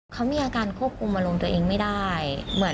เขามีอาการควบคุมอารมณ์ตัวเองไม่ได้เหมือน